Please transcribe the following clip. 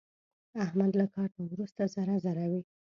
احمد له کار نه ورسته ذره ذره وي.